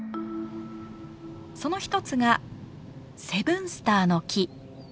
その一つがセブンスターの木。